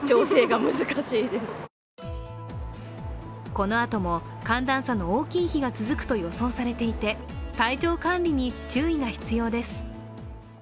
このあとも、寒暖差の大きい日が続くと予想されていて、体調管理に注意が必要です。